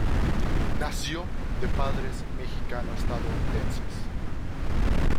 Nació de padres mexicano-estadounidenses.